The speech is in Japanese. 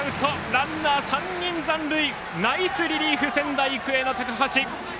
ランナー３人残塁！ナイスリリーフ、仙台育英の高橋。